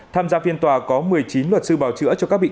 tham gia phiên tòa có một mươi chín luật sư bảo dự